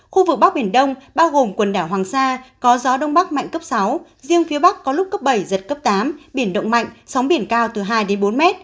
khu vực bắc biển đông bao gồm quần đảo hoàng sa có gió đông bắc mạnh cấp sáu riêng phía bắc có lúc cấp bảy giật cấp tám biển động mạnh sóng biển cao từ hai đến bốn m